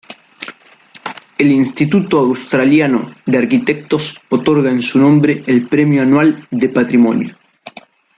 El Instituto Australiano de Arquitectos otorga en su nombre el Premio Anual de Patrimonio.